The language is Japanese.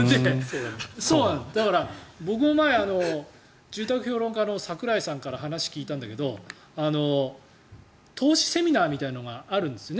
だから僕も前、住宅評論家のサクライさんから話を聞いたんだけど投資セミナーみたいなのがあるんですよね